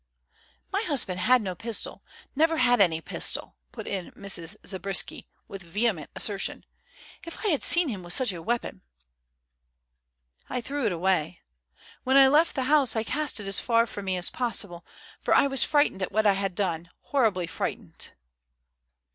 "My husband had no pistol; never had any pistol," put in Mrs. Zabriskie, with vehement assertion. "If I had seen him with such a weapon " "I threw it away. When I left the house, I cast it as far from me as possible, for I was frightened at what I had done, horribly frightened."